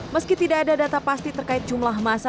meski tidak ada data pasti terkait jumlah masa